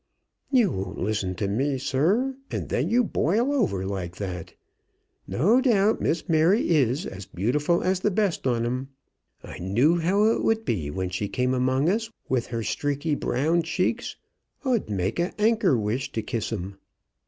"You won't listen to me, sir, and then you boil over like that. No doubt Miss Mary is as beautiful as the best on 'em. I knew how it would be when she came among us with her streaky brown cheeks, ou'd make an anchor wish to kiss 'em."